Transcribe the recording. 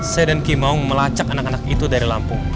saya dan kimong melacak anak anak itu dari lampung